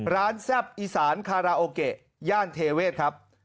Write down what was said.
แซ่บอีสานคาราโอเกะย่านเทเวศครับ